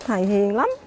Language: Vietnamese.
thầy hiền lắm